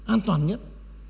an toàn nhất